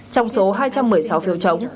trong số hai trăm một mươi sáu phiếu chống